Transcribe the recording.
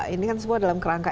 ini kan semua dalam kerangka